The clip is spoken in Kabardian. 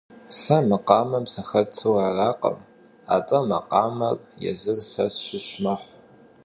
Сэ макъамэм сыхэту аракъым, атӀэ макъамэр езыр сэ сщыщ мэхъу.